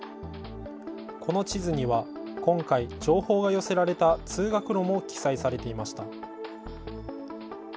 この地図には今回情報が寄せられた通学路も記載されていました。